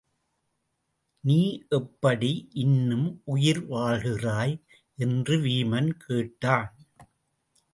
நீ எப்படி இன்னும் உயிர் வாழ்கிறாய்? என்று வீமன் கேட்டான்.